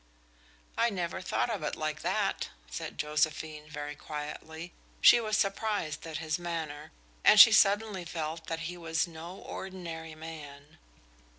"I never thought of it like that," said Josephine, very quietly. She was surprised at his manner, and she suddenly felt that he was no ordinary man.